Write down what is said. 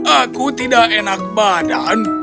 aku tidak enak badan